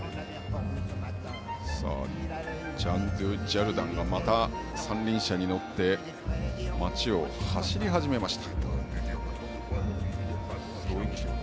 ジャン・デュジャルダンがまた三輪車に乗って街を走り始めました。